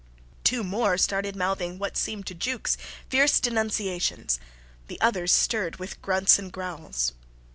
Two more started mouthing what seemed to Jukes fierce denunciations; the others stirred with grunts and growls.